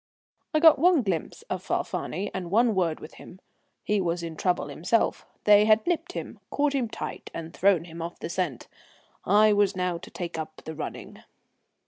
I got one glimpse of Falfani and one word with him. He was in trouble himself; they had nipped him, caught him tight, and thrown him off the scent. I was now to take up the running.